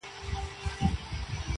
• ه زه تر دې کلامه پوري پاته نه سوم_